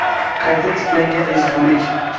Qayta tiklangan ezgulik